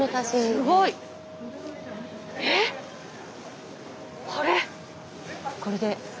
すごい！えっ⁉これ。